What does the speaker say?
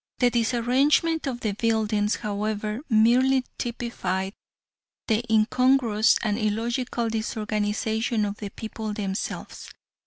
The disarrangement of the buildings, however, merely typified the incongruous and illogical disorganization of the people themselves.